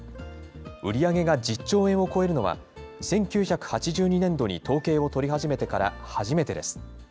売り上げが１０兆円を超えるのは、１９８２年度に統計を取り始めてから初めてです。